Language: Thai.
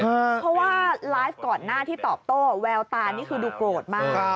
เพราะว่าไลฟ์ก่อนหน้าที่ตอบโต้แววตานี่คือดูโกรธมาก